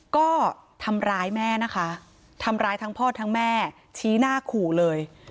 ก็ทำร้ายแม่นะคะทำร้ายทั้งพ่อทั้งแม่ชี้หน้าขู่เลย